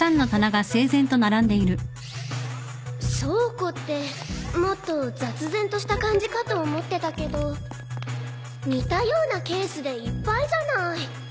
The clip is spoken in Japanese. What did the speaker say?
倉庫ってもっと雑然とした感じかと思ってたけど似たようなケースでいっぱいじゃない。